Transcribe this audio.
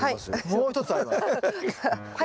もう一つあります。